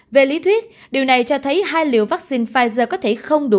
về lý thuyết điều này cho thấy hai liệu vaccine pfizer có thể không đủ